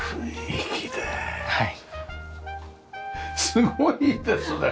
すごいですね！